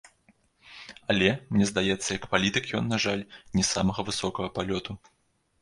Але, мне здаецца, як палітык ён, на жаль, не самага высокага палёту.